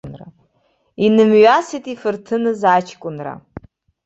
Инымҩасит ифырҭыныз аҷкәынра.